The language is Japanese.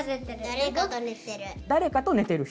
誰かと寝てる人！